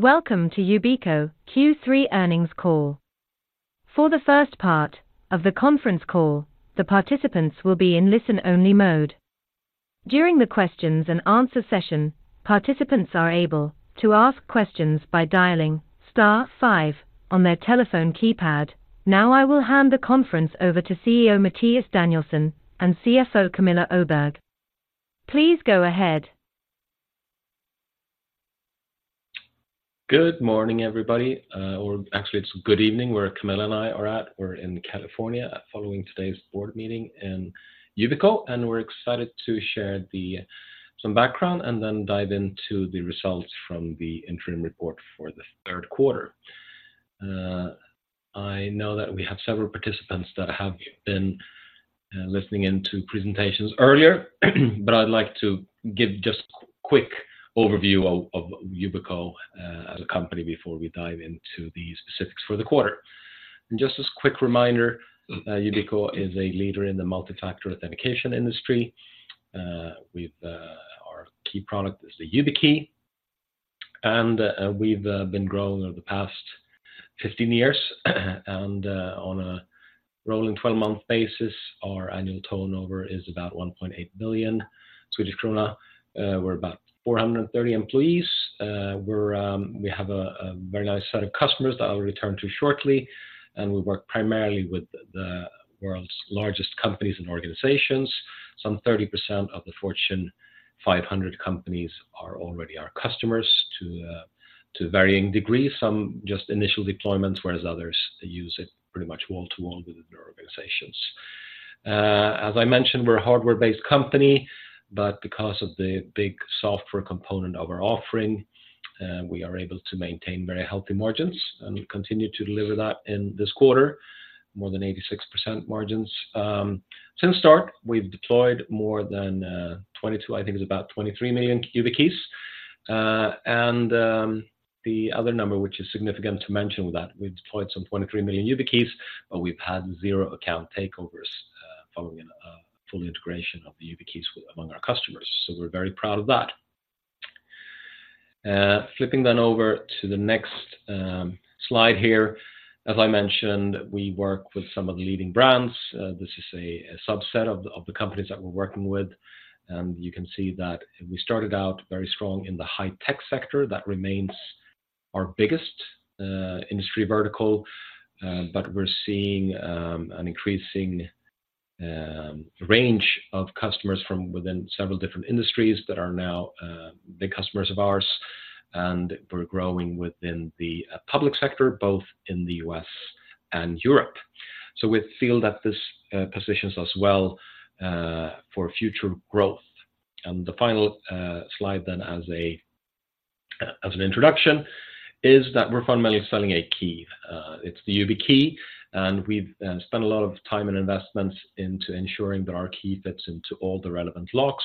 Welcome to Yubico Q3 earnings call. For the first part of the conference call, the participants will be in listen-only mode. During the questions and answer session, participants are able to ask questions by dialing star five on their telephone keypad. Now, I will hand the conference over to CEO Mattias Danielsson and CFO Camilla Öberg. Please go ahead. Good morning, everybody, or actually, it's good evening, where Camilla and I are at. We're in California, following today's board meeting in Yubico, and we're excited to share some background and then dive into the results from the interim report for the third quarter. I know that we have several participants that have been listening into presentations earlier, but I'd like to give just a quick overview of Yubico as a company before we dive into the specifics for the quarter. Just as a quick reminder, Yubico is a leader in the multifactor authentication industry. With our key product, the YubiKey, and we've been growing over the past 15 years. On a rolling 12-month basis, our annual turnover is about 1.8 billion Swedish krona. We're about 430 employees. We're, we have a very nice set of customers that I'll return to shortly, and we work primarily with the world's largest companies and organizations. Some 30% of the Fortune 500 companies are already our customers to varying degrees, some just initial deployments, whereas others use it pretty much wall-to-wall within their organizations. As I mentioned, we're a hardware-based company, but because of the big software component of our offering, we are able to maintain very healthy margins and continue to deliver that in this quarter, more than 86% margins. Since start, we've deployed more than 22, I think it's about 23 million YubiKeys. And the other number, which is significant to mention, that we've deployed some 23 million YubiKeys, but we've had zero account takeovers following a full integration of the YubiKeys with among our customers. So we're very proud of that. Flipping over to the next slide here. As I mentioned, we work with some of the leading brands. This is a subset of the companies that we're working with, and you can see that we started out very strong in the high-tech sector. That remains our biggest industry vertical, but we're seeing an increasing range of customers from within several different industries that are now big customers of ours, and we're growing within the public sector, both in the U.S. and Europe. We feel that this positions us well for future growth. The final slide then as an introduction is that we're fundamentally selling a key. It's the YubiKey, and we've spent a lot of time and investments into ensuring that our key fits into all the relevant locks.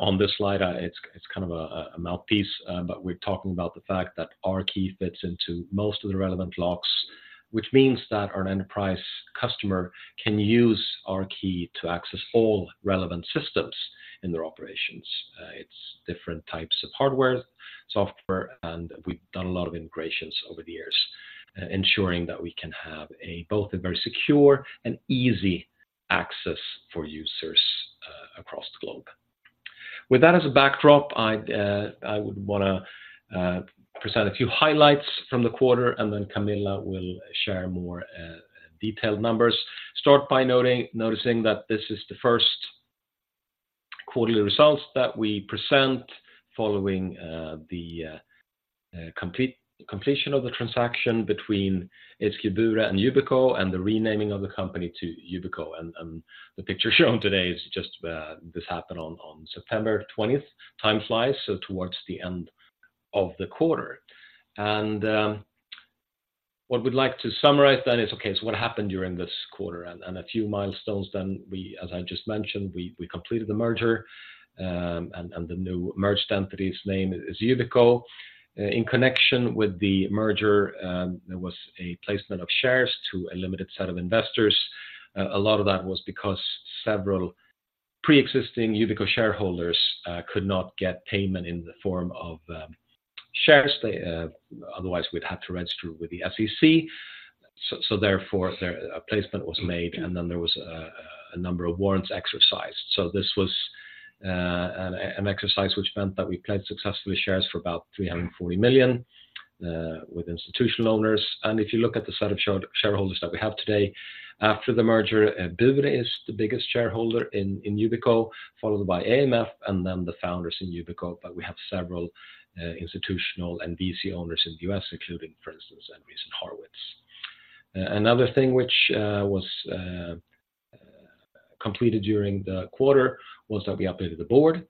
On this slide, it's kind of a mouthpiece, but we're talking about the fact that our key fits into most of the relevant locks, which means that our enterprise customer can use our key to access all relevant systems in their operations. It's different types of hardware, software, and we've done a lot of integrations over the years, ensuring that we can have both a very secure and easy access for users across the globe. With that as a backdrop, I'd, I would wanna, present a few highlights from the quarter, and then Camilla will share more, detailed numbers. Start by noting that this is the first quarterly results that we present following the completion of the transaction between ACQ Bure and Yubico, and the renaming of the company to Yubico. And, the picture shown today is just, this happened on September twentieth. Time flies, so towards the end of the quarter. And, what we'd like to summarize then is, okay, so what happened during this quarter? And a few milestones then, we, as I just mentioned, we completed the merger, and the new merged entity's name is Yubico. In connection with the merger, there was a placement of shares to a limited set of investors. A lot of that was because several preexisting Yubico shareholders could not get payment in the form of shares. They otherwise we'd have to register with the SEC. So a placement was made, and then there was a number of warrants exercised. So this was an exercise which meant that we placed successfully shares for about 340 million with institutional owners. And if you look at the set of shareholders that we have today, after the merger, Bure is the biggest shareholder in Yubico, followed by AMF and then the founders in Yubico. But we have several institutional and VC owners in the U.S., including, for instance, Andreessen Horowitz. Another thing which was completed during the quarter was that we updated the board,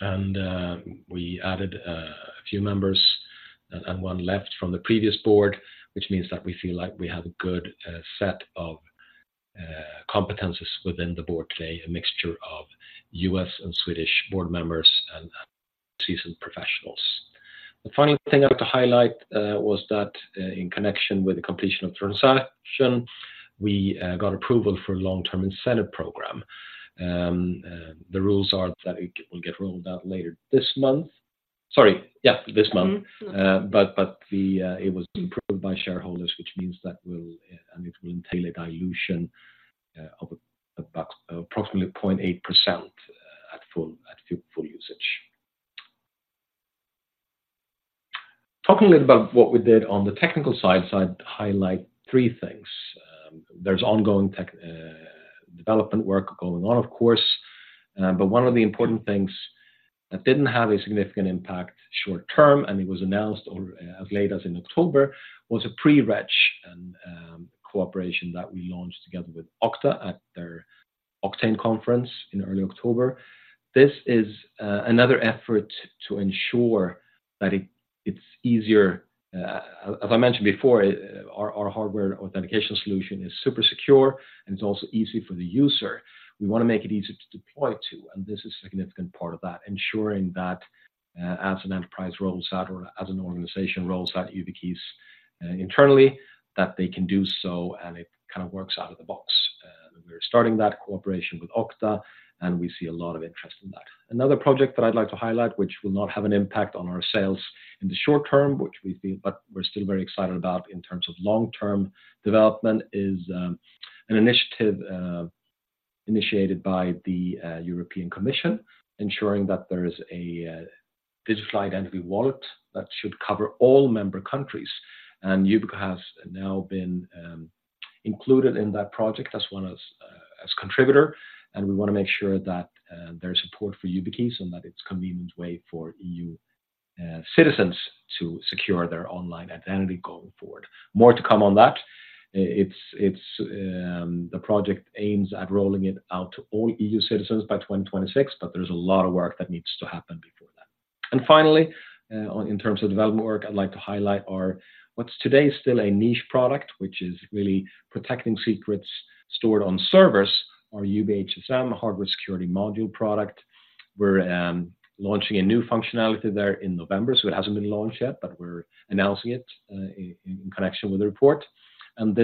and we added a few members, and one left from the previous board, which means that we feel like we have a good set of competencies within the board today, a mixture of U.S. and Swedish board members and seasoned professionals. The final thing I'd like to highlight was that in connection with the completion of transaction, we got approval for a long-term incentive program. The rules are that it will get rolled out later this month. Sorry, yeah, this month. Mm-hmm, mm-hmm. But it was approved by shareholders, which means that will, and it will entail a dilution of about approximately 0.8% at full usage. Talking a little about what we did on the technical side, I'd highlight three things. There's ongoing tech development work going on, of course, but one of the important things that didn't have a significant impact short term, and it was announced as late as in October, was a pre-registration cooperation that we launched together with Okta at their Oktane Conference in early October. This is another effort to ensure that it's easier. As I mentioned before, our hardware authentication solution is super secure, and it's also easy for the user. We wanna make it easy to deploy to, and this is a significant part of that, ensuring that, as an enterprise rolls out or as an organization rolls out YubiKeys, internally, that they can do so, and it kind of works out of the box. We're starting that cooperation with Okta, and we see a lot of interest in that. Another project that I'd like to highlight, which will not have an impact on our sales in the short term, which we feel, but we're still very excited about in terms of long-term development, is, an initiative, initiated by the, European Commission, ensuring that there is a, digital identity wallet that should cover all member countries. Yubico has now been included in that project as a contributor, and we wanna make sure that there's support for YubiKey and that it's a convenient way for EU citizens to secure their online identity going forward. More to come on that. The project aims at rolling it out to all EU citizens by 2026, but there's a lot of work that needs to happen before that. And finally, in terms of development work, I'd like to highlight our what's today still a niche product, which is really protecting secrets stored on servers, our YubiHSM hardware security module product. We're launching a new functionality there in November, so it hasn't been launched yet, but we're announcing it in connection with the report. We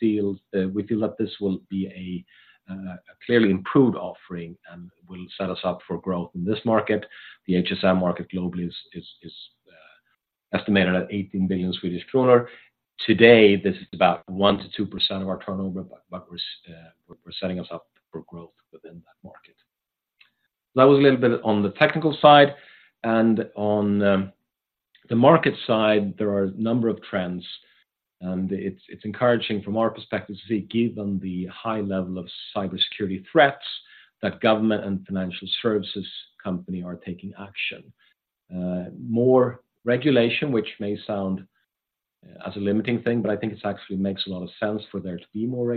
feel that this will be a clearly improved offering and will set us up for growth in this market. The HSM market globally is estimated at 18 billion Swedish kronor. Today, this is about 1%-2% of our turnover, but we're setting us up for growth within that market. That was a little bit on the technical side and on the market side, there are a number of trends, and it's encouraging from our perspective to see, given the high level of cybersecurity threats, that government and financial services company are taking action. More regulation, which may sound as a limiting thing, but I think it actually makes a lot of sense for there to be more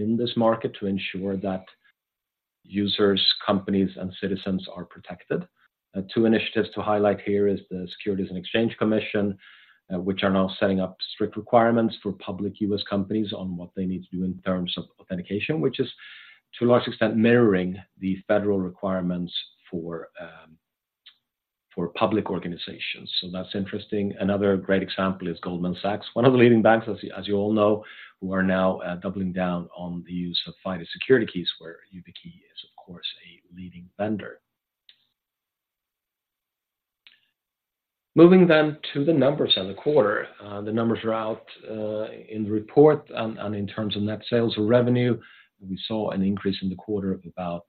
regulation in this market to ensure that users, companies, and citizens are protected. Two initiatives to highlight here is the Securities and Exchange Commission, which are now setting up strict requirements for public U.S. companies on what they need to do in terms of authentication, which is, to a large extent, mirroring the federal requirements for, for public organizations. So that's interesting. Another great example is Goldman Sachs, one of the leading banks, as, as you all know, who are now, doubling down on the use of FIDO Security Keys, where YubiKey is, of course, a leading vendor. Moving then to the numbers and the quarter. The numbers are out, in the report, and, and in terms of net sales or revenue, we saw an increase in the quarter of about,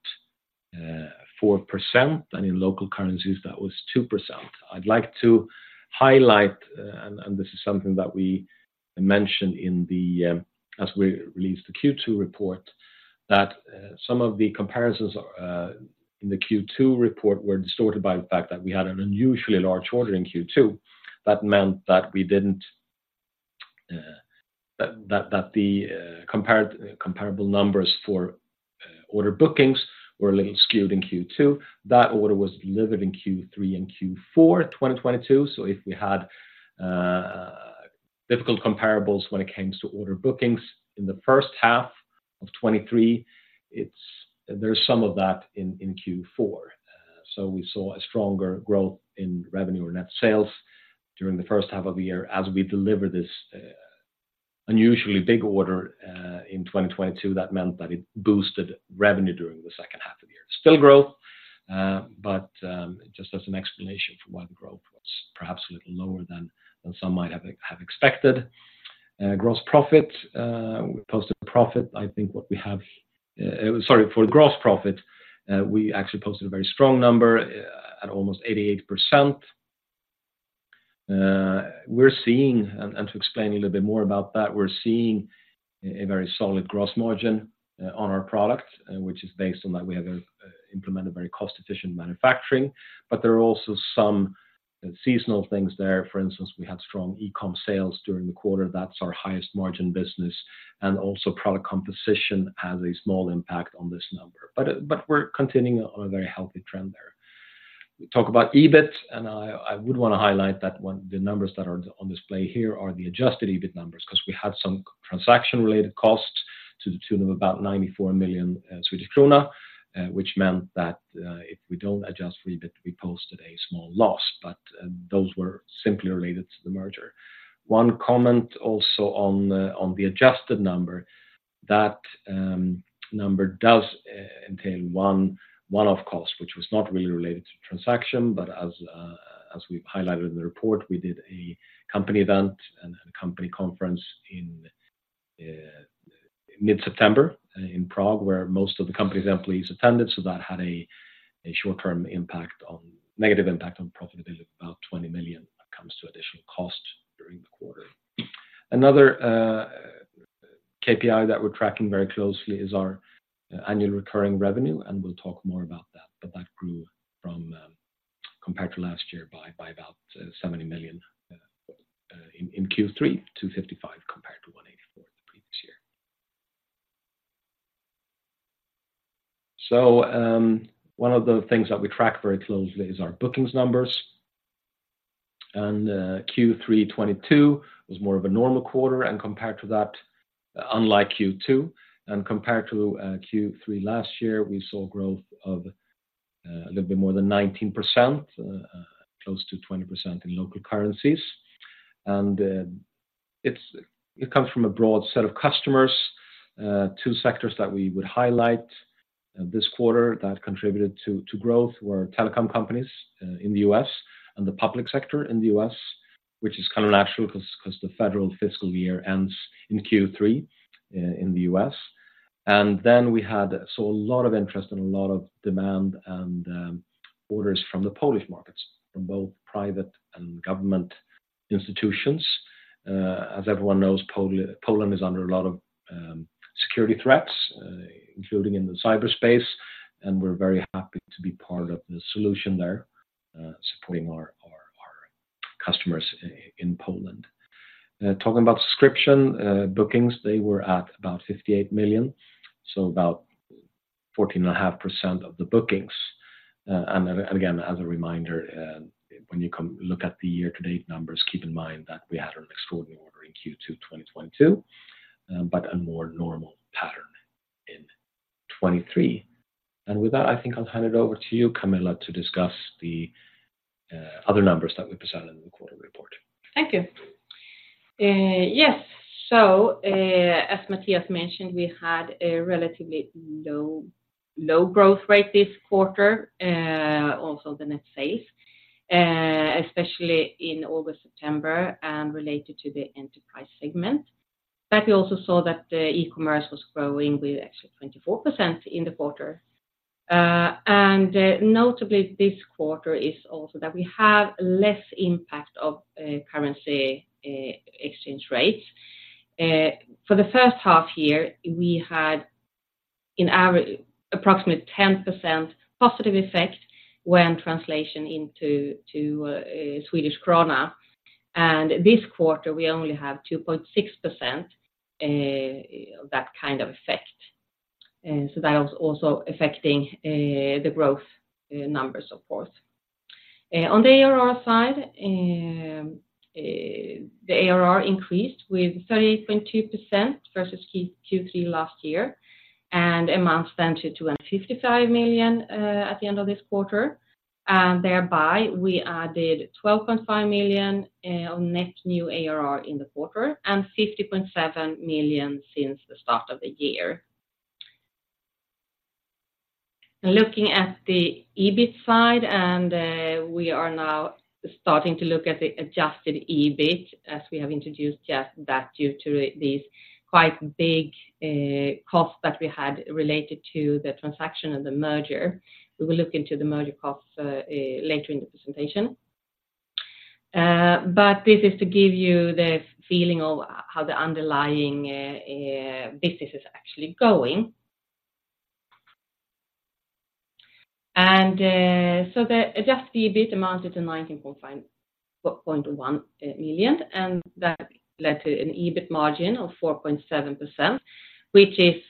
four percent, and in local currencies, that was two percent. I'd like to highlight, and this is something that we mentioned in the, as we released the Q2 report, that, some of the comparisons, in the Q2 report were distorted by the fact that we had an unusually large order in Q2. That meant that we didn't, that the comparable numbers for order bookings were a little skewed in Q2. That order was delivered in Q3 and Q4 2022. So if we had difficult comparables when it came to order bookings in the first half of 2023, there's some of that in Q4. So we saw a stronger growth in revenue or net sales during the first half of the year as we delivered this unusually big order in 2022. That meant that it boosted revenue during the second half of the year. Still growth, but just as an explanation for why the growth was perhaps a little lower than some might have expected. Gross profit, we posted profit. I think what we have. Sorry, for the gross profit, we actually posted a very strong number at almost 88%. We're seeing, and to explain a little bit more about that, we're seeing a very solid gross margin on our product, which is based on that we have implemented very cost-efficient manufacturing, but there are also some seasonal things there. For instance, we had strong e-com sales during the quarter. That's our highest margin business, and also product composition has a small impact on this number. But we're continuing on a very healthy trend there. We talk about EBIT, and I would wanna highlight that when the numbers that are on display here are the adjusted EBIT numbers, 'cause we had some transaction-related costs to the tune of about 94 million Swedish krona, which meant that if we don't adjust for EBIT, we posted a small loss, but those were simply related to the merger. One comment also on the adjusted number, that number does entail one-off cost, which was not really related to transaction, but as we've highlighted in the report, we did a company event and a company conference in mid-September in Prague, where most of the company's employees attended. So that had a short-term, negative impact on profitability of about 20 million when it comes to additional cost during the quarter. Another KPI that we're tracking very closely is our annual recurring revenue, and we'll talk more about that. That grew from compared to last year by by about 70 million in Q3 to 55 million, compared to 184 million the previous year. One of the things that we track very closely is our bookings numbers. Q3 2022 was more of a normal quarter, and compared to that, unlike Q2, and compared to Q3 last year, we saw growth of a little bit more than 19%, close to 20% in local currencies. It comes from a broad set of customers. Two sectors that we would highlight this quarter that contributed to growth were telecom companies in the U.S. and the public sector in the U.S., which is kind of natural 'cause the federal fiscal year ends in Q3 in the U.S. And then we saw a lot of interest and a lot of demand and orders from the Polish markets, from both private and government institutions. As everyone knows, Poland is under a lot of security threats, including in the cyberspace, and we're very happy to be part of the solution there, supporting our customers in Poland. Talking about subscription bookings, they were at about 58 million, so about 14.5% of the bookings. And again, as a reminder, when you look at the year-to-date numbers, keep in mind that we had an extraordinary order in Q2 2022, but a more normal pattern in 2023. With that, I think I'll hand it over to you, Camilla, to discuss the other numbers that we presented in the quarter report. Thank you. Yes, so as Mattias mentioned, we had a relatively low growth rate this quarter, also the net sales, especially in August, September, and related to the enterprise segment. But we also saw that the e-commerce was growing with actually 24% in the quarter. And notably this quarter is also that we have less impact of currency exchange rates. For the first half year, we had in average approximately 10% positive effect when translation into to Swedish krona, and this quarter, we only have 2.6% that kind of effect. So that was also affecting the growth numbers, of course. On the ARR side, the ARR increased with 30.2% versus Q3 last year, and amounts then to 255 million at the end of this quarter. And thereby, we added 12.5 million on net new ARR in the quarter, and 50.7 million since the start of the year. Looking at the EBIT side, we are now starting to look at the adjusted EBIT, as we have introduced just that due to these quite big costs that we had related to the transaction and the merger. We will look into the merger costs later in the presentation. But this is to give you the feeling of how the underlying business is actually going. The adjusted EBIT amounts to 19.51 million, and that led to an EBIT margin of 4.7%, which is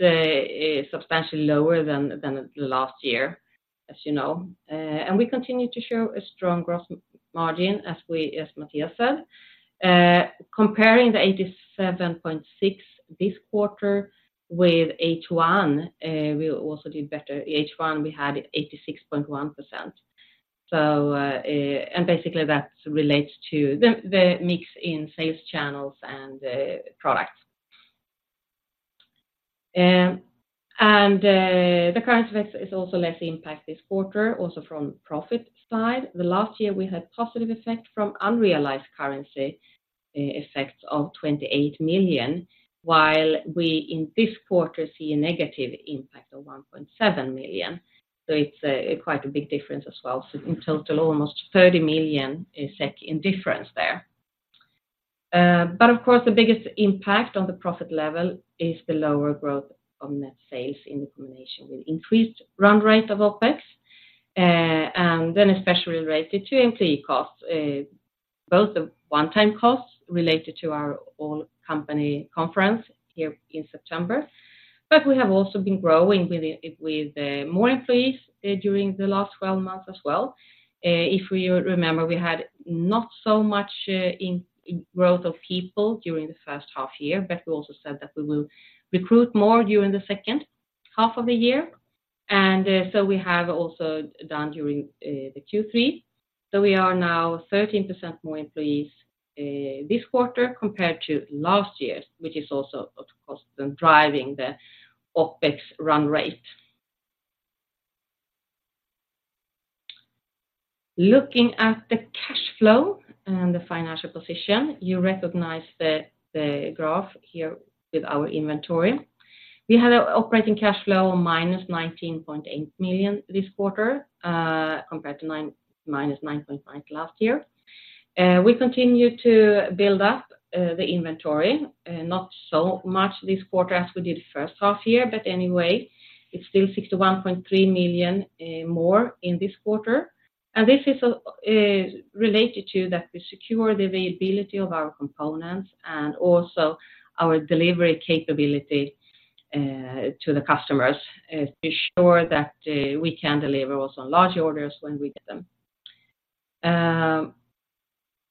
substantially lower than the last year, as you know. We continue to show a strong growth margin, as we, as Mattias said. Comparing the 87.6% this quarter with H1, we also did better. H1, we had 86.1%. Basically, that relates to the mix in sales channels and products. The currency is also less impact this quarter, also from profit side. The last year, we had positive effect from unrealized currency effects of 28 million, while we, in this quarter, see a negative impact of 1.7 million. So it's quite a big difference as well. So in total, almost 30 million SEK effect in difference there. But of course, the biggest impact on the profit level is the lower growth on net sales in combination with increased run rate of OpEx, and then especially related to employee costs, both the one-time costs related to our all-company conference here in September. But we have also been growing with more employees during the last 12 months as well. If we remember, we had not so much in growth of people during the first half year, but we also said that we will recruit more during the second half of the year. So we have also done during the Q3. We are now 13% more employees this quarter compared to last year, which is also, of course, then driving the OpEx run rate. Looking at the cash flow and the financial position, you recognize the graph here with our inventory. We had our operating cash flow -19.8 million this quarter, compared to -9.9 million last year. We continue to build up the inventory, not so much this quarter as we did first half year, but anyway, it's still 61.3 million more in this quarter. And this is related to that we secure the availability of our components and also our delivery capability to the customers to ensure that we can deliver also large orders when we get them.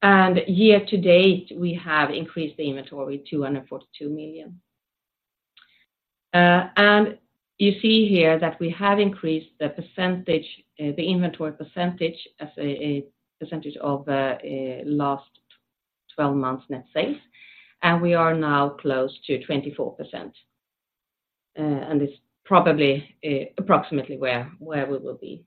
Year to date, we have increased the inventory to 242 million. You see here that we have increased the percentage, the inventory percentage as a percentage of last twelve months net sales, and we are now close to 24%. It's probably approximately where we will be.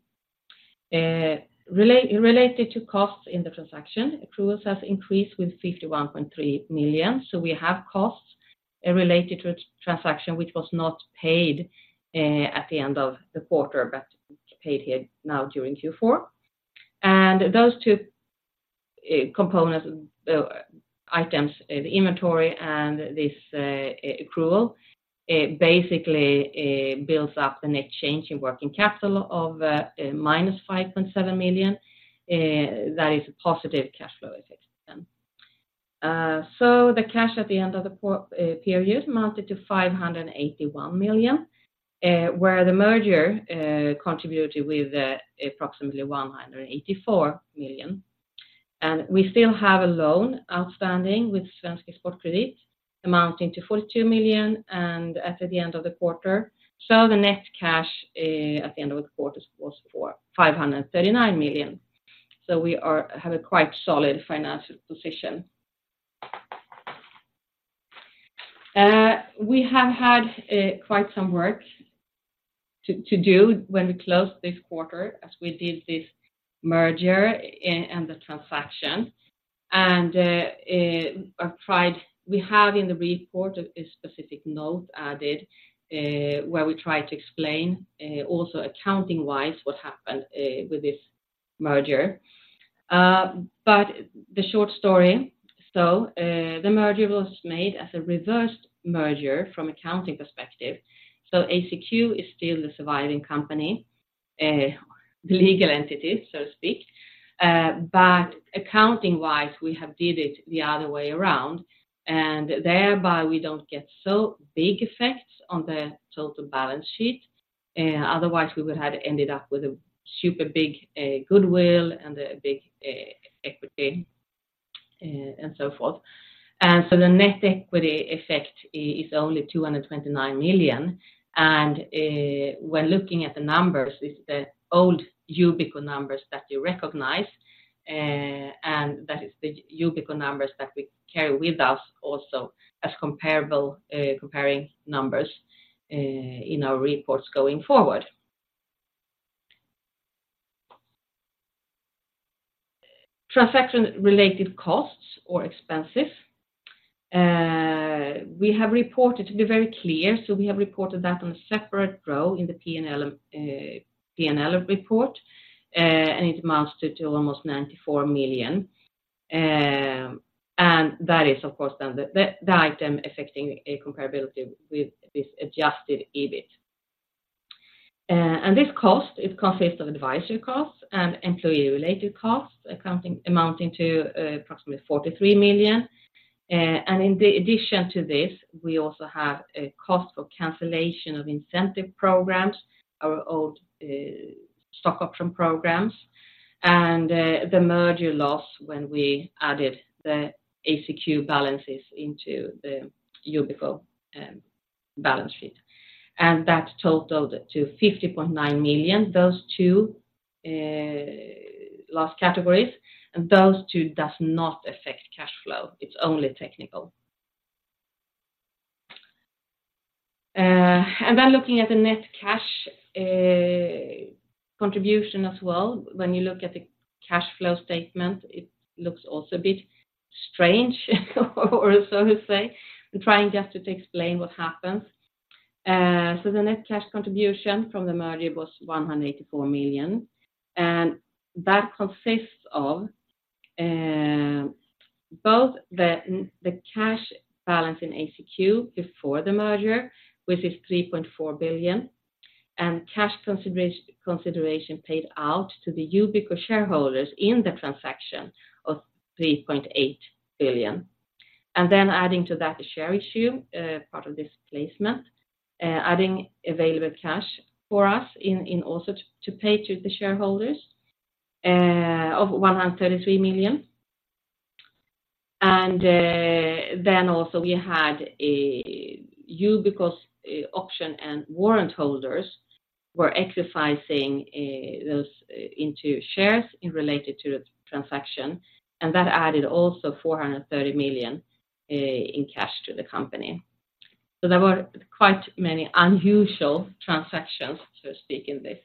Related to costs in the transaction, accruals have increased with 51.3 million. We have costs related to transaction, which was not paid at the end of the quarter, but paid here now during Q4. Those two components, items, the inventory and this accrual, it basically builds up a net change in working capital of -5.7 million. That is a positive cash flow effect then. So the cash at the end of the period amounted to 581 million, where the merger contributed with approximately 184 million. And we still have a loan outstanding with Svenska Exportkredit, amounting to 42 million at the end of the quarter. So the net cash at the end of the quarter was 539 million. So we have a quite solid financial position. We have had quite some work to do when we closed this quarter, as we did this merger and the transaction. And we have in the report a specific note added, where we try to explain also accounting-wise, what happened with this merger. But the short story, so, the merger was made as a reversed merger from accounting perspective. So ACQ is still the surviving company, the legal entity, so to speak. But accounting-wise, we have did it the other way around, and thereby, we don't get so big effects on the total balance sheet. Otherwise, we would have ended up with a super big, goodwill and a big, equity, and so forth. And so the net equity effect is only 229 million. And, when looking at the numbers, it's the old Yubico numbers that you recognize, and that is the Yubico numbers that we carry with us also as comparable, comparing numbers, in our reports going forward. Transaction-related costs or expenses. We have reported to be very clear, so we have reported that on a separate row in the P&L, P&L report, and it amounts to almost 94 million. And that is, of course, then the item affecting a comparability with this adjusted EBIT. And this cost, it consists of advisory costs and employee-related costs, accounting, amounting to approximately 43 million. And in addition to this, we also have a cost for cancellation of incentive programs, our old stock option programs, and the merger loss when we added the ACQ balances into the Yubico balance sheet. And that totaled to 50.9 million, those two last categories, and those two does not affect cash flow. It's only technical. And then looking at the net cash contribution as well, when you look at the cash flow statement, it looks also a bit strange, or so to say, trying just to explain what happens. So the net cash contribution from the merger was 184 million, and that consists of both the cash balance in ACQ before the merger, which is 3.4 billion, and cash consideration paid out to the Yubico shareholders in the transaction of 3.8 billion. And then adding to that, the share issue part of this placement, adding available cash for us in also to pay to the shareholders of 133 million. Then also we had a Yubico's option and warrant holders were exercising those into shares in relation to the transaction, and that added also 430 million in cash to the company. So there were quite many unusual transactions, so to speak, in this.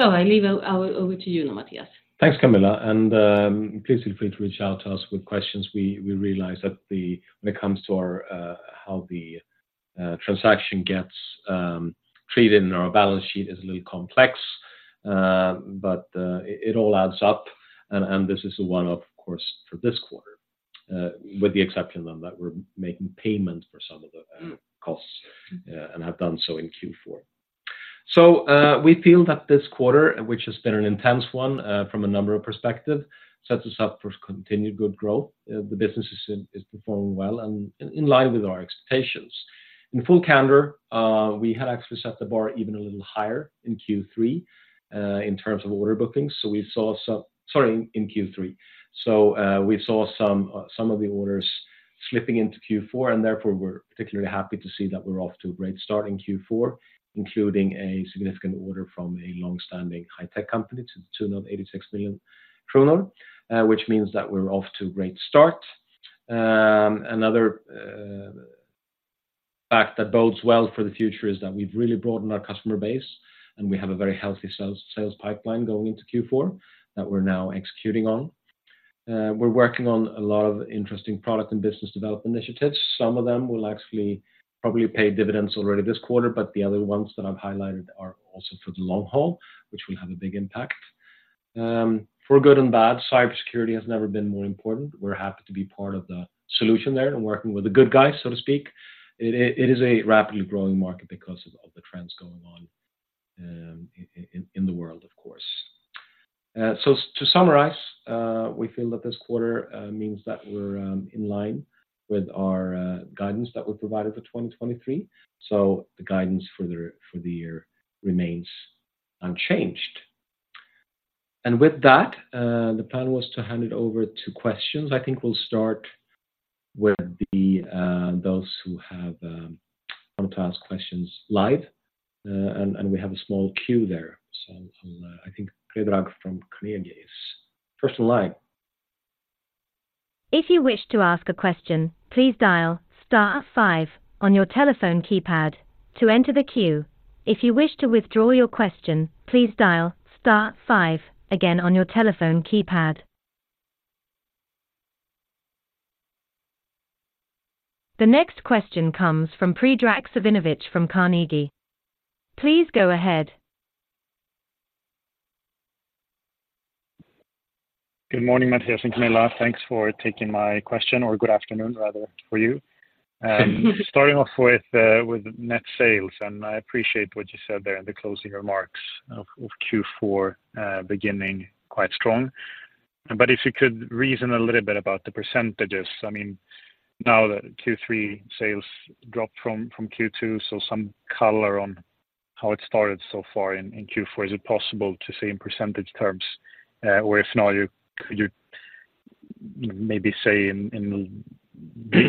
So, I hand over to you now, Mattias. Thanks, Camilla, and please feel free to reach out to us with questions. We realize that when it comes to our how the transaction gets treated in our balance sheet is a little complex, but it all adds up, and this is a one-off, of course, for this quarter, with the exception then that we're making payments for some of the costs and have done so in Q4. So we feel that this quarter, which has been an intense one from a number of perspective, sets us up for continued good growth. The business is performing well and in line with our expectations. In full calendar we had actually set the bar even a little higher in Q3 in terms of order bookings. So we saw some—Sorry, in Q3. We saw some of the orders slipping into Q4, and therefore, we're particularly happy to see that we're off to a great start in Q4, including a significant order from a long-standing high-tech company to the tune of 86 million kronor, which means that we're off to a great start. Another fact that bodes well for the future is that we've really broadened our customer base, and we have a very healthy sales pipeline going into Q4 that we're now executing on. We're working on a lot of interesting product and business development initiatives. Some of them will actually probably pay dividends already this quarter, but the other ones that I've highlighted are also for the long haul, which will have a big impact. For good and bad, cybersecurity has never been more important. We're happy to be part of the solution there and working with the good guys, so to speak. It is a rapidly growing market because of the trends going on in the world, of course. So to summarize, we feel that this quarter means that we're in line with our guidance that we provided for 2023. So the guidance for the year remains unchanged. And with that, the plan was to hand it over to questions. I think we'll start with those who want to ask questions live, and we have a small queue there. So I'll, I think Predrag from Carnegie is first in line. If you wish to ask a question, please dial star five on your telephone keypad to enter the queue. If you wish to withdraw your question, please dial star five again on your telephone keypad. The next question comes from Predrag Savinovic from Carnegie. Please go ahead. Good morning, Mattias and Camilla. Thanks for taking my question, or good afternoon, rather, for you. Starting off with net sales, and I appreciate what you said there in the closing remarks of Q4, beginning quite strong. But if you could reason a little bit about the percentages, I mean, now that Q3 sales dropped from Q2, so some color on how it started so far in Q4. Is it possible to say in percentage terms, or if not, you could maybe say in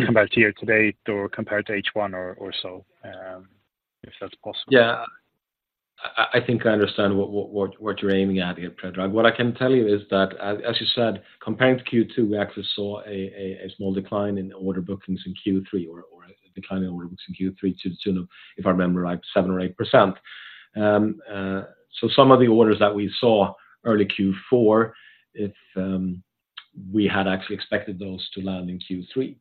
compared to year to date or compared to H1 or so, if that's possible? Yeah. I think I understand what you're aiming at here, Predrag. What I can tell you is that, as you said, comparing to Q2, we actually saw a small decline in order bookings in Q3, or a decline in order bookings in Q3 to the tune of, if I remember right, 7% or 8%. So some of the orders that we saw early Q4, we had actually expected those to land in Q3.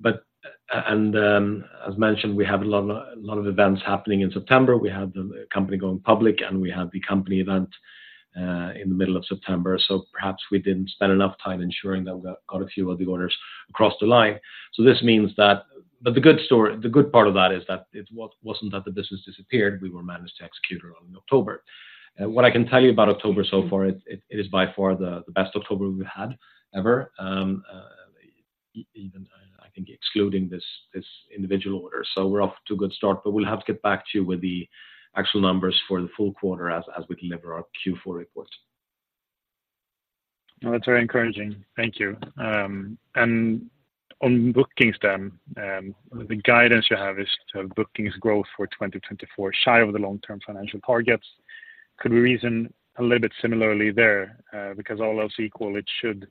But as mentioned, we have a lot of events happening in September. We had the company going public, and we had the company event in the middle of September. So perhaps we didn't spend enough time ensuring that we got quite a few of the orders across the line. This means that but the good story, the good part of that is that it wasn't that the business disappeared; we were managed to execute it on in October. What I can tell you about October so far, it is by far the best October we've had ever, even, I think excluding this individual order. So we're off to a good start, but we'll have to get back to you with the actual numbers for the full quarter as we deliver our Q4 report. That's very encouraging. Thank you. And on bookings then, the guidance you have is to have bookings growth for 2024, shy of the long-term financial targets. Could we reason a little bit similarly there? Because all else equal, it should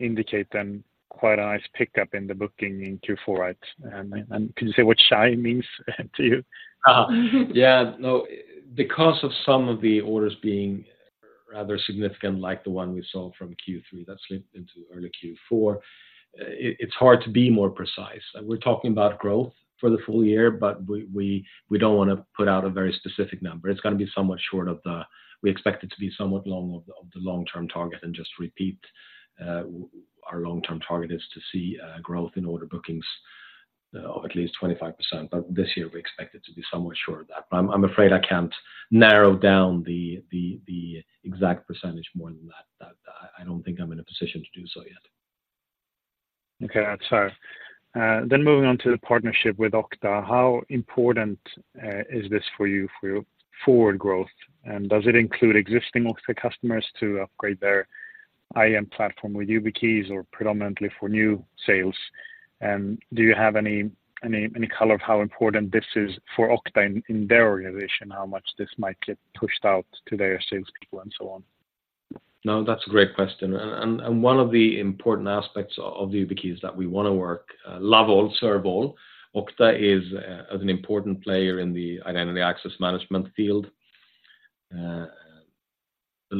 indicate then quite a nice pickup in the booking in Q4, right? And, and can you say what shy means to you? Ah. Yeah, no. Because of some of the orders being rather significant, like the one we saw from Q3 that slipped into early Q4, it’s hard to be more precise. We’re talking about growth for the full year, but we don’t want to put out a very specific number. It’s gonna be somewhat short of the, e expect it to be somewhat long of the long-term target and just repeat our long-term target is to see growth in order bookings of at least 25%, but this year we expect it to be somewhat short of that. But I’m afraid I can’t narrow down the exact percentage more than that. That, I don’t think I’m in a position to do so yet. Okay, that's so. Then moving on to the partnership with Okta, how important is this for you for your forward growth? And does it include existing Okta customers to upgrade their IM platform with YubiKeys or predominantly for new sales? And do you have any color of how important this is for Okta in their organization, how much this might get pushed out to their salespeople and so on? No, that's a great question. One of the important aspects of the YubiKey is that we wanna work, love all, serve all. Okta is as an important player in the identity access management field,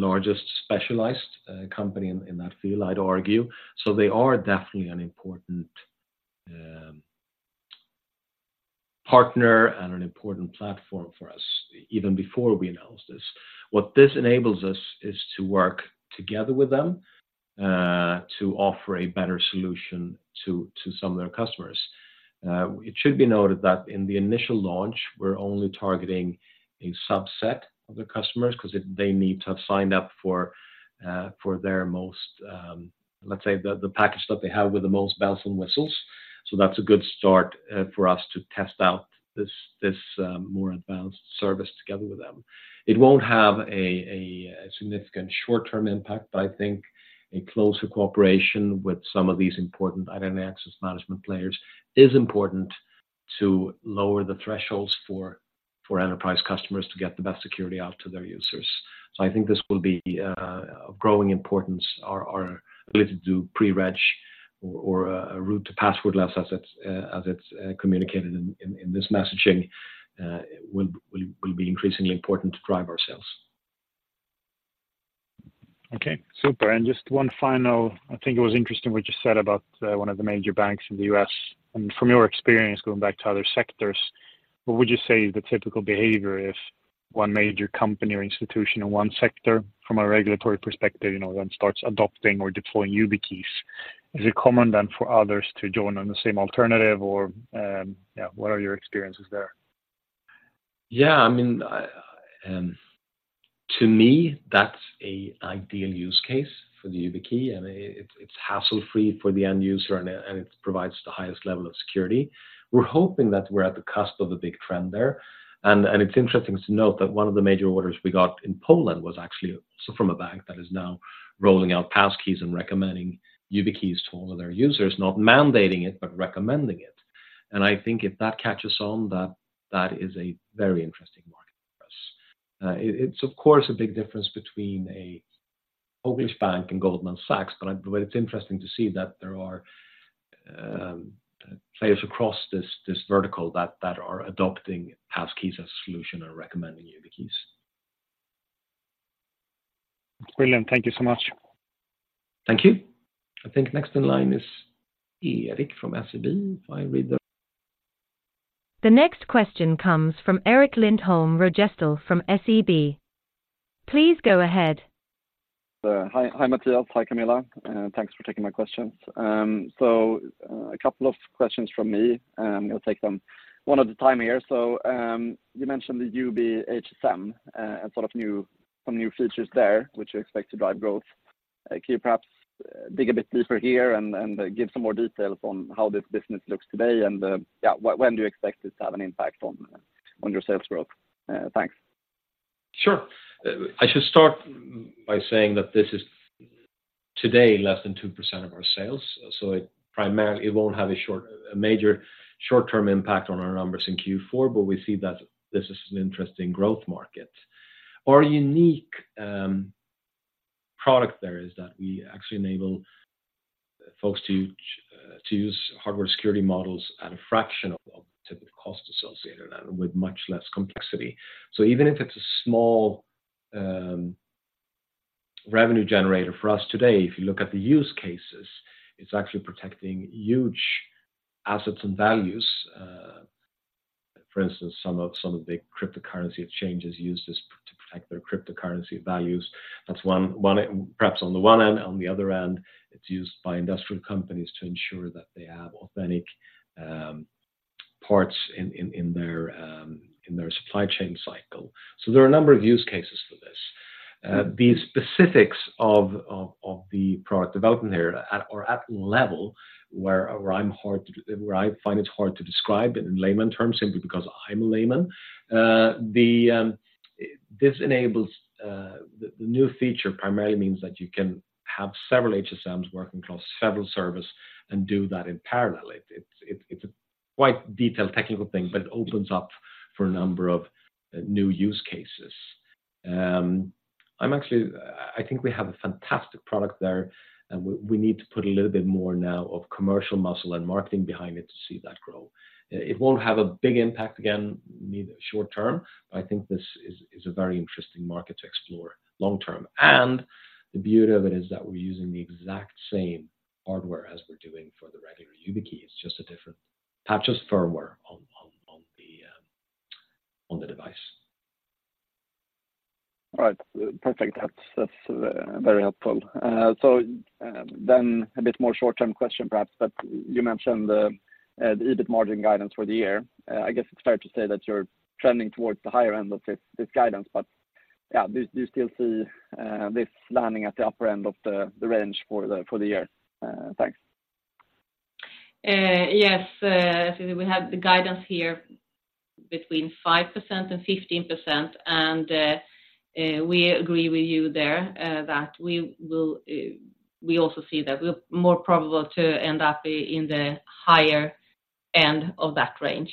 the largest specialized company in that field, I'd argue. So they are definitely an important partner and an important platform for us, even before we announced this. What this enables us is to work together with them to offer a better solution to some of their customers. It should be noted that in the initial launch, we're only targeting a subset of the customers 'cause they need to have signed up for their most, let's say, the package that they have with the most bells and whistles. So that's a good start for us to test out this more advanced service together with them. It won't have a significant short-term impact, but I think a closer cooperation with some of these important identity access management players is important to lower the thresholds for enterprise customers to get the best security out to their users. So I think this will be of growing importance, our ability to do pre-reg or a route to passwordless as it's communicated in this messaging will be increasingly important to drive our sales. Okay, super. And just one final. I think it was interesting what you said about one of the major banks in the U.S. And from your experience, going back to other sectors, what would you say is the typical behavior if one major company or institution in one sector, from a regulatory perspective, you know, then starts adopting or deploying YubiKeys? Is it common then for others to join on the same alternative or, yeah, what are your experiences there? Yeah, I mean, I, to me, that's an ideal use case for the YubiKey, and it, it's hassle-free for the end user, and it provides the highest level of security. We're hoping that we're at the cusp of a big trend there. And it's interesting to note that one of the major orders we got in Poland was actually also from a bank that is now rolling out passkeys and recommending YubiKeys to all of their users, not mandating it, but recommending it. And I think if that catches on, that is a very interesting market for us. It, it's of course a big difference between a Polish bank and Goldman Sachs, but it's interesting to see that there are players across this vertical that are adopting passkeys as a solution and recommending YubiKeys. Brilliant. Thank you so much. Thank you. I think next in line is Erik from SEB, if I read the- The next question comes from Erik Lindholm-Röjestål from SEB. Please go ahead. Hi, hi, Mattias. Hi, Camilla, thanks for taking my questions. So, a couple of questions from me, and I'm gonna take them one at a time here. So, you mentioned the YubiHSM, and sort of new, some new features there, which you expect to drive growth. Can you perhaps dig a bit deeper here and, and give some more details on how this business looks today, and, yeah, when, when do you expect this to have an impact on, on your sales growth? Thanks. Sure. I should start by saying that this is today less than 2% of our sales, so it primarily, it won't have a major short-term impact on our numbers in Q4, but we see that this is an interesting growth market. Our unique product there is that we actually enable folks to use hardware security models at a fraction of the typical cost associated with that and with much less complexity. So even if it's a small revenue generator for us today, if you look at the use cases, it's actually protecting huge assets and values. For instance, some of, some of the cryptocurrency exchanges use this to protect their cryptocurrency values. That's one, perhaps on the one hand, on the other hand, it's used by industrial companies to ensure that they have authentic parts in their supply chain cycle. So there are a number of use cases for this. The specifics of the product development there are at a level where I find it hard to describe it in layman terms simply because I'm a layman. This enables the new feature primarily means that you can have several HSMs working across several servers and do that in parallel. It's a quite detailed technical thing, but it opens up for a number of new use cases. I'm actually, I think we have a fantastic product there, and we need to put a little bit more now of commercial muscle and marketing behind it to see that grow. It won't have a big impact again, neither short term, but I think this is a very interesting market to explore long term. And the beauty of it is that we're using the exact same hardware as we're doing for the regular YubiKey. It's just a different type, just firmware on the device. All right, perfect. That's, that's very helpful. So, then a bit more short-term question, perhaps, but you mentioned the, the EBIT margin guidance for the year. I guess it's fair to say that you're trending towards the higher end of this, this guidance, but-yeah, do, do you still see this landing at the upper end of the, the range for the, for the year? Thanks. Yes, so we have the guidance here between 5% and 15%, and we agree with you there, that we will, we also see that we're more probable to end up in the higher end of that range.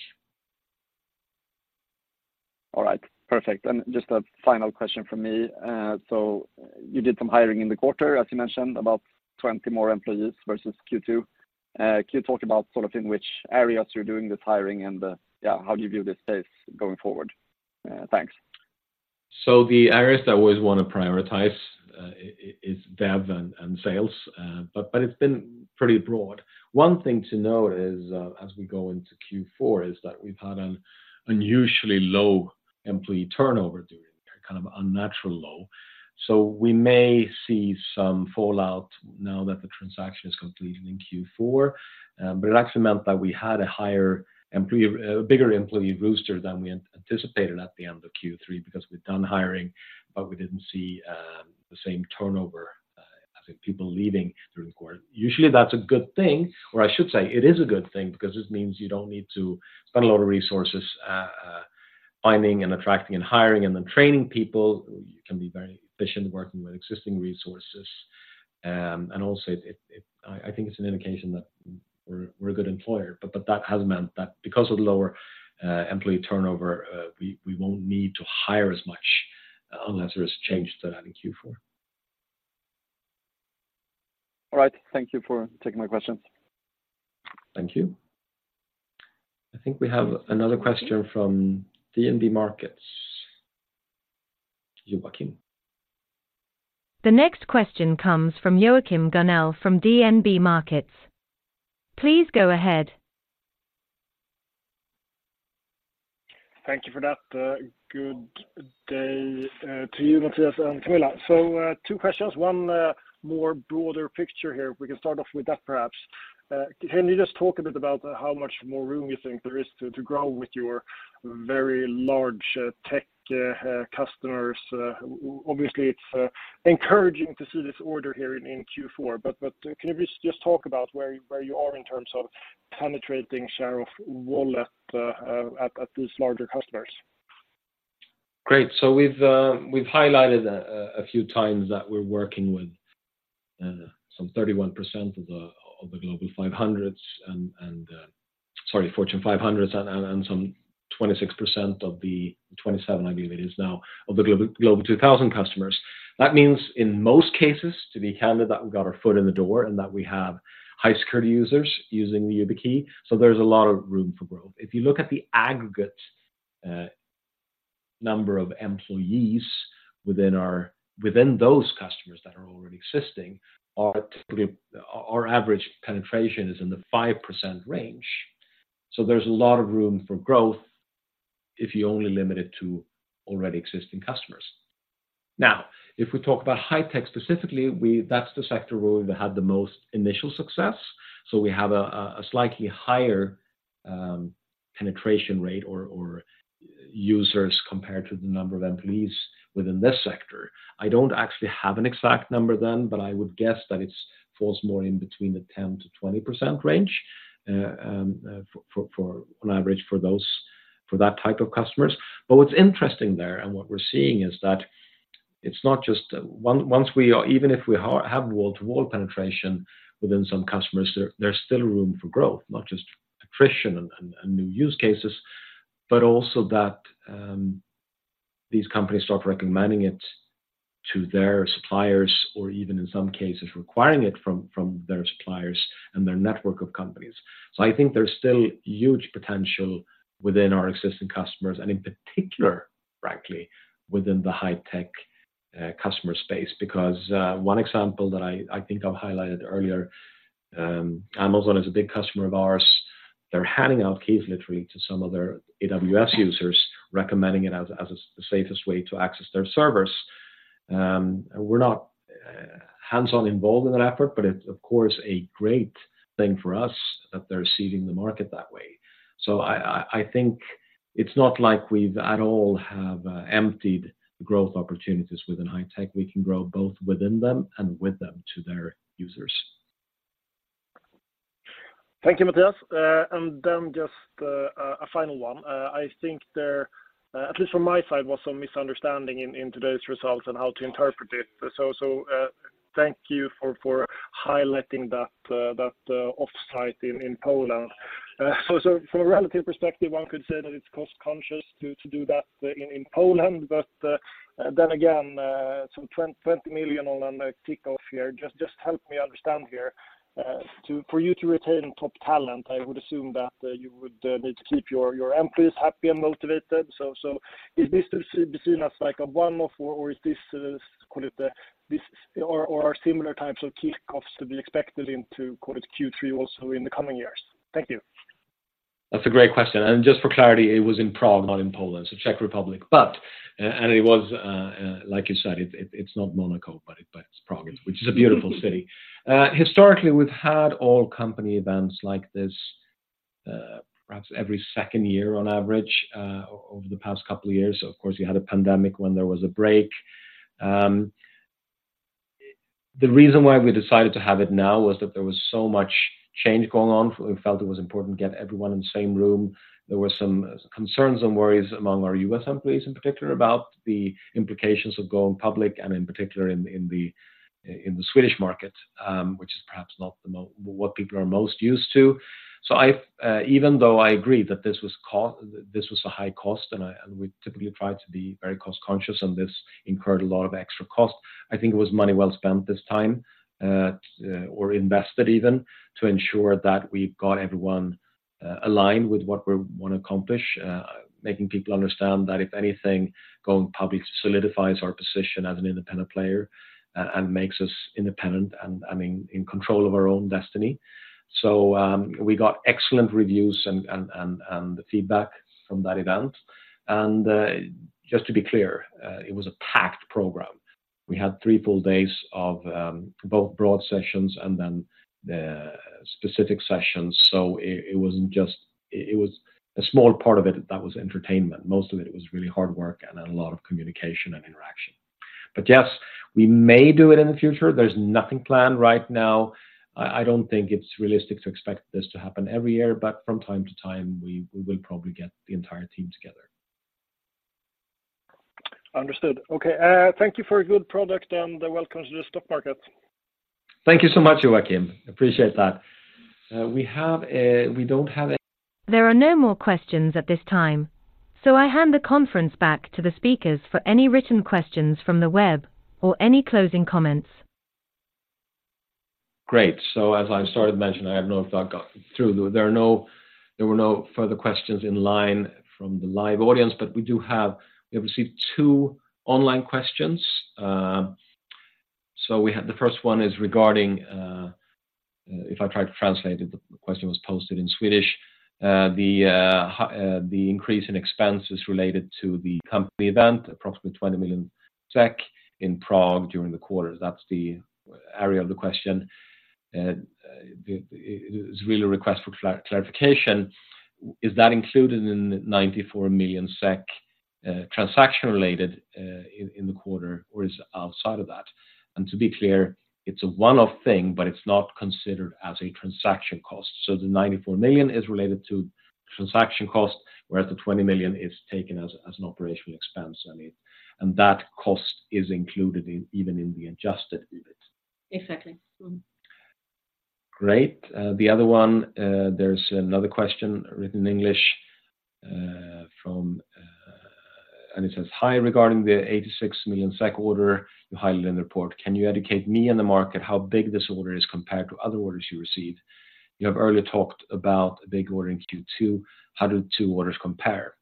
All right. Perfect. And just a final question from me. So you did some hiring in the quarter, as you mentioned, about 20 more employees versus Q2. Can you talk about sort of in which areas you're doing this hiring, and, yeah, how you view this space going forward? Thanks. So the areas that we always wanna prioritize is dev and sales, but it's been pretty broad. One thing to note is, as we go into Q4, is that we've had an unusually low employee turnover during kind of unnatural low. So we may see some fallout now that the transaction is completed in Q4. But it actually meant that we had a higher employee, a bigger employee roster than we anticipated at the end of Q3, because we've done hiring, but we didn't see the same turnover, as in people leaving during the quarter. Usually, that's a good thing, or I should say it is a good thing, because it means you don't need to spend a lot of resources finding and attracting, and hiring, and then training people. You can be very efficient working with existing resources. And also it, I think it's an indication that we're a good employer, but that has meant that because of the lower employee turnover, we won't need to hire as much, unless there is change to that in Q4. All right. Thank you for taking my questions. Thank you. I think we have another question from DNB Markets, Joachim. The next question comes from Joachim Gunell from DNB Markets. Please go ahead. Thank you for that. Good day to you, Mattias and Camilla. So, two questions, one more broader picture here. We can start off with that, perhaps. Can you just talk a bit about how much more room you think there is to grow with your very large tech customers? Obviously, it's encouraging to see this order here in Q4, but can you just talk about where you are in terms of penetrating share of wallet at these larger customers? Great. So we've highlighted a few times that we're working with some 31% of the Global 500, and - sorry, Fortune 500s, and some 26% of the 27, I believe it is now, of the Global 2000 customers. That means, in most cases, to be candid, that we've got our foot in the door, and that we have high security users using the YubiKey, so there's a lot of room for growth. If you look at the aggregate number of employees within those customers that are already existing, typically, our average penetration is in the 5% range. So there's a lot of room for growth if you only limit it to already existing customers. Now, if we talk about high tech specifically, that's the sector where we've had the most initial success, so we have a slightly higher penetration rate or users compared to the number of employees within this sector. I don't actually have an exact number then, but I would guess that it falls more in between the 10%-20% range for on average for that type of customers. But what's interesting there, and what we're seeing is that it's not just once we are, even if we have wall-to-wall penetration within some customers, there's still room for growth, not just attrition and new use cases, but also that these companies start recommending it to their suppliers, or even in some cases, requiring it from their suppliers and their network of companies. So I think there's still huge potential within our existing customers, and in particular, frankly, within the high-tech customer space. Because one example that I think I've highlighted earlier, Amazon is a big customer of ours. They're handing out key literally to some of their AWS users, recommending it as the safest way to access their servers. We're not hands-on involved in that effort, but it's, of course, a great thing for us that they're seeding the market that way. So I think it's not like we've at all have emptied the growth opportunities within high tech. We can grow both within them and with them to their users. Thank you, Mattias. And then just a final one. I think there, at least from my side, was some misunderstanding in today's results and how to interpret it. So, thank you for highlighting that off-site in Poland. So, for a relative perspective, one could say that it's cost conscious to do that in Poland, but then again, some 20 million on a kick-off here, just help me understand here. For you to retain top talent, I would assume that you would need to keep your employees happy and motivated. So, is this to be seen as like a one-off, or is this, call it, this or are similar types of kickoffs to be expected into, call it Q3, also in the coming years? Thank you. That's a great question, and just for clarity, it was in Prague, not in Poland, so Czech Republic. But, and it was, like you said, it's not Monaco, but it's Prague, which is a beautiful city. Historically, we've had all company events like this, perhaps every second year on average, over the past couple of years. So of course, we had a pandemic when there was a break. The reason why we decided to have it now was that there was so much change going on. We felt it was important to get everyone in the same room. There were some concerns and worries among our U.S. employees, in particular, about the implications of going public, and in particular, in the Swedish market, which is perhaps not the most what people are most used to. So, even though I agree that this was a high cost, and we typically try to be very cost-conscious, and this incurred a lot of extra cost, I think it was money well spent this time, or invested even, to ensure that we've got everyone aligned with what we wanna accomplish. Making people understand that if anything, going public solidifies our position as an independent player and makes us independent and, I mean, in control of our own destiny. So, we got excellent reviews and feedback from that event. And, just to be clear, it was a packed program. We had three full days of both broad sessions and then specific sessions. So it wasn't just, it was a small part of it that was entertainment. Most of it, it was really hard work and a lot of communication and interaction. But yes, we may do it in the future. There's nothing planned right now. I, I don't think it's realistic to expect this to happen every year, but from time to time, we, we will probably get the entire team together. Understood. Okay, thank you for a good product and welcome to the stock market. Thank you so much, Joachim. Appreciate that. We have, we don't have a- There are no more questions at this time, so I hand the conference back to the speakers for any written questions from the web or any closing comments. Great. So as I started mentioning, I have no doubt it got through. There were no further questions in line from the live audience, but we do have. We have received two online questions. So we had the first one is regarding, if I try to translate it, the question was posted in Swedish. The increase in expenses related to the company event, approximately 20 million SEK in Prague during the quarter. That's the area of the question. It's really a request for clarification. Is that included in the 94 million SEK transaction related in the quarter, or is it outside of that? And to be clear, it's a one-off thing, but it's not considered as a transaction cost. So the 94 million is related to transaction cost, whereas the 20 million is taken as an operational expense, and that cost is included in even in the adjusted EBIT. Exactly. Mm-hmm. Great. The other one, there's another question written in English, from and it says, "Hi, regarding the 86 million SEK order you highlighted in the report, can you educate me and the market how big this order is compared to other orders you received? You have earlier talked about a big order in Q2. How do the two orders compare?"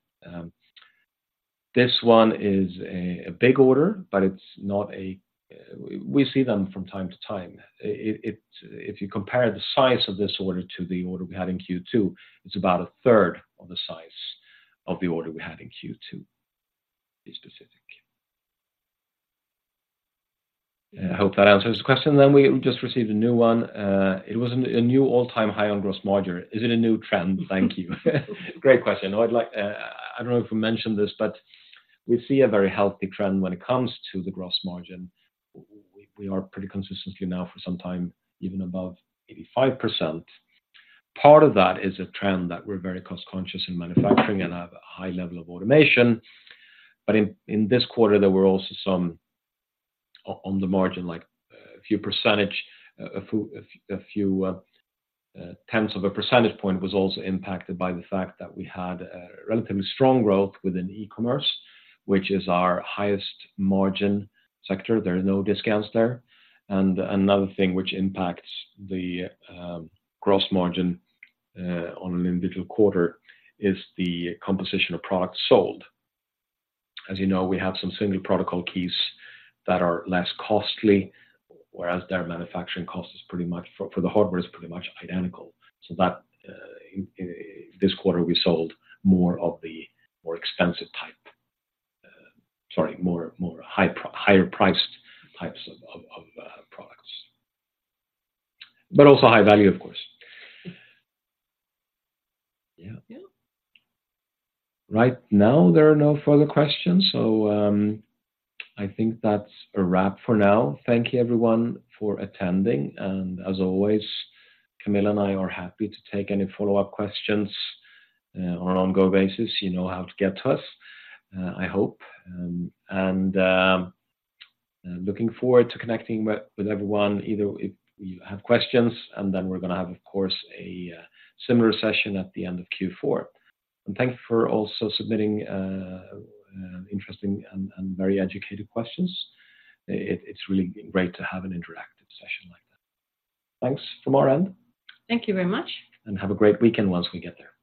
This one is a big order, but it's not a, we see them from time to time. It, if you compare the size of this order to the order we had in Q2, it's about a third of the size of the order we had in Q2, to be specific. I hope that answers the question. Then we just received a new one. It was a new all-time high on gross margin. Is it a new trend? Thank you. Great question. I'd like, I don't know if we mentioned this, but we see a very healthy trend when it comes to the gross margin. We are pretty consistently now for some time, even above 85%. Part of that is a trend that we're very cost-conscious in manufacturing and have a high level of automation. But in this quarter, there were also some on the margin, like a few tenths of a percentage point, was also impacted by the fact that we had a relatively strong growth within e-commerce, which is our highest margin sector. There are no discounts there. Another thing which impacts the gross margin on an individual quarter is the composition of products sold. As you know, we have some single protocol keys that are less costly, whereas their manufacturing cost is pretty much for the hardware is pretty much identical. So that, this quarter, we sold more of the more expensive type. Sorry, more higher priced types of products, but also high value, of course. Yeah. Yeah. Right now, there are no further questions, so I think that's a wrap for now. Thank you, everyone, for attending, and as always, Camilla and I are happy to take any follow-up questions on an ongoing basis. You know how to get to us, I hope. And looking forward to connecting with everyone, either if you have questions, and then we're going to have, of course, a similar session at the end of Q4. And thank you for also submitting interesting and very educated questions. It's really great to have an interactive session like that. Thanks from our end. Thank you very much. Have a great weekend once we get there.